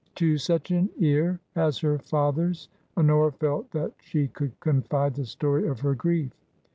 To such an ear as her father's Honora felt that she could confide the story of her grief.